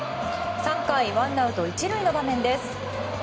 ３回ワンアウト１塁の場面です。